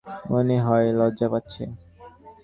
মনে হয় লজ্জা পাচ্ছে!